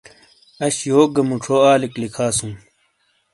اش یوک گہ موچھو آلیک لکھاسوں۔